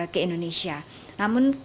ke indonesia namun